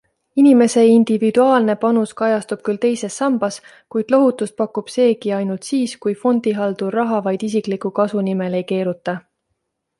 Inimese individuaalne panus kajastub küll teises sambas, kuid lohutust pakub seegi ainult siis, kui fondihaldur raha vaid isikliku kasu nimel ei keeruta.